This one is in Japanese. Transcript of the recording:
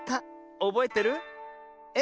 おぼえてる？え？